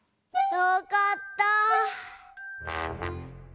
よかったぁ。